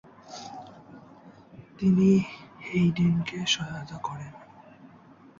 তিনি হেইডেনকে সহায়তা করেন।